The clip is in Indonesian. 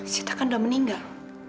sita kan udah meninggal